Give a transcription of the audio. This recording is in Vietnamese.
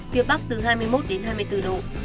phía bắc từ hai mươi một đến hai mươi bốn độ